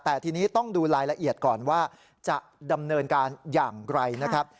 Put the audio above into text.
แต่ทีนี้ต้องดูรายละเอียดก่อนว่าจะดำเนินการอย่างไรนะครับ